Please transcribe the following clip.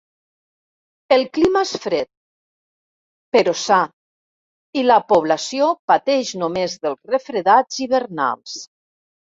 El clima és fred, però sa, i la població pateix només dels refredats hivernals.